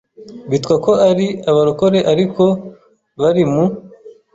bitwa ko ari abarokore ariko bari mu